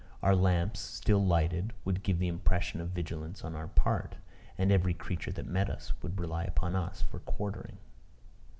Our lamps, still lighted, would give the impression of vigilance on our part. And every creature that met us, would rely upon us for quartering.